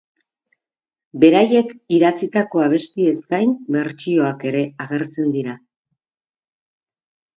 Beraiek idatzitako abestiez gain bertsioak ere agertzen dira.